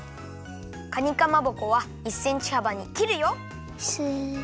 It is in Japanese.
かにかまぼこは１センチはばにきるよ。